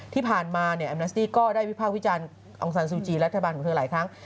ที่ผ่านมาแอมนาสติ้ก็ได้วิพากษ์วิจารณ์องซานซูจีรัฐบาลของเธอหลายครั้ง